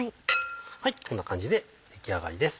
こんな感じで出来上がりです。